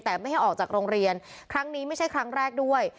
แต่ไม่ให้ออกจากโรงเรียนครั้งนี้ไม่ใช่ครั้งแรกด้วย